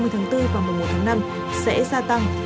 hai mươi tháng bốn và mùa một tháng năm sẽ gia tăng